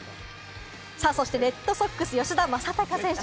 そしてレッドソックス・吉田正尚選手。